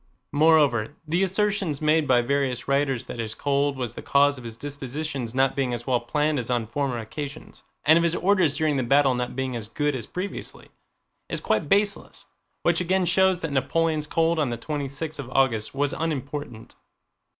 Moreover, the assertion made by various writers that his cold was the cause of his dispositions not being as well planned as on former occasions, and of his orders during the battle not being as good as previously, is quite baseless, which again shows that Napoleon's cold on the twenty sixth of August was unimportant.